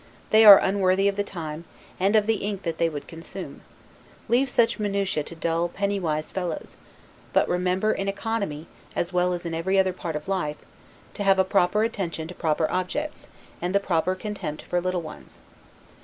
they are unworthy of the time, and of the ink that they would consume; leave such minutia to dull, penny wise fellows; but remember, in economy, as well as in every other part of life, to have the proper attention to proper objects, and the proper contempt for little ones.